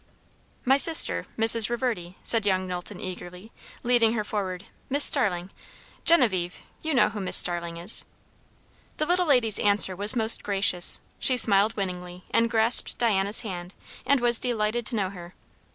"My sister, Mrs. Reverdy," said young Knowlton eagerly, leading her forward. "Miss Starling, Genevieve; you know who Miss Starling is." The little lady's answer was most gracious; she smiled winningly and grasped Diana's hand, and was delighted to know her.